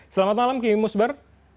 selamat malam ki musbar